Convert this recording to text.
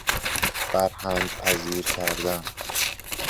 فرهنگ پذیرکردن